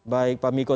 baik pak miko